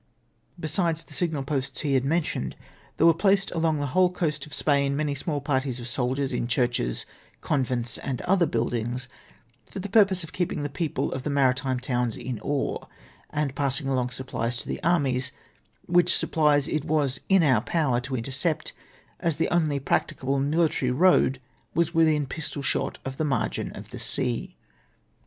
"Besides the signal posts he had mentioned, there were placed along the whole coast of Spain many small parties of soldiers in churches, convents, and other buildings, for the purpose of keeping the people of the maritime towns in awe, and passing along supplies to the armies, which supplies it was in our power to intercept, as the only practicable military road was within a pistol shot of the margin of the sea.